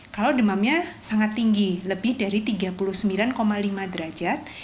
kalau demamnya sangat tinggi lebih dari tiga puluh sembilan lima derajat